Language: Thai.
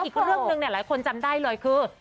อีกเรื่องหนึ่งหลายคนจำได้เลยคือ